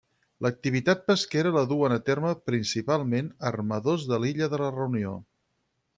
L'activitat pesquera la duen a terme, principalment, armadors de l'illa de la Reunió.